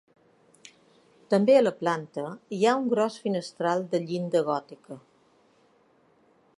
També a la planta hi ha un gros finestral de llinda gòtica.